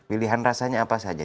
pilihan rasanya apa saja